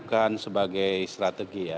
bukan sebagai strategi ya